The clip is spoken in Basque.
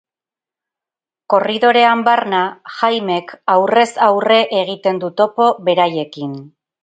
Korridorean barna, Jaimek aurrez aurre egiten du topo beraiekin.